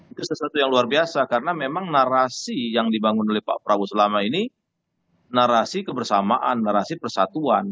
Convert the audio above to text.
itu sesuatu yang luar biasa karena memang narasi yang dibangun oleh pak prabowo selama ini narasi kebersamaan narasi persatuan